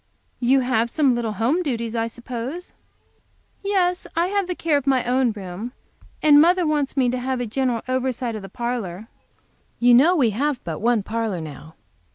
"You have some little home duties, I suppose?" "Yes; I have the care of my own room, and mother wants me to have a general oversight of the parlor; you know we have but one parlor now."